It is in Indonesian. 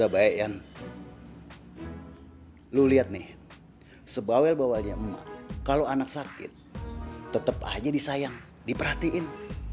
baik yang lu lihat nih sebawel bawalnya emak kalau anak sakit tetap aja disayang diperhatiin